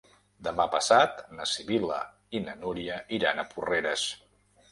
Demà passat na Sibil·la i na Núria iran a Porreres.